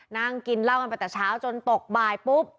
นั่งกินเหล้ากันไปแต่เช้าจนตกบ่ายปุ๊บ